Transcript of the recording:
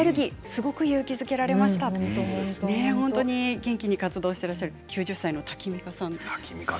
元気に活動していらっしゃる９０歳のタキミカさん。